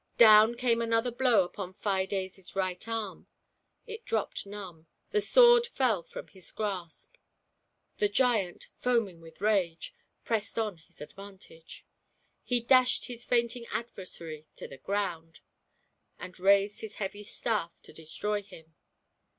Down came another blow upon Fides' right arm. It dropped numb — the sword fell from his grasp. The giant, foaming with rage, pressed on his advantage; he dashed his fainting adversary to the ground, and raised his heavy staff* to destroy him.